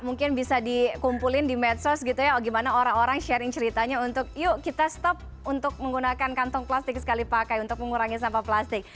mungkin bisa dikumpulin di medsos gitu ya gimana orang orang sharing ceritanya untuk yuk kita stop untuk menggunakan kantong plastik sekali pakai untuk mengurangi sampah plastik